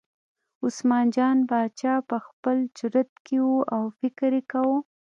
عثمان جان باچا په خپل چورت کې و او یې فکر کاوه.